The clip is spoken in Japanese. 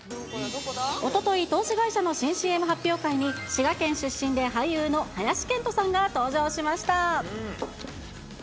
おととい、投資会社の新ＣＭ発表会に、滋賀県出身で俳優の林遣都さんが登場しました。